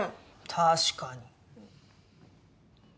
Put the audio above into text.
確かに。